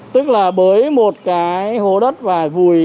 tức là bới một cái hồ đất và vùi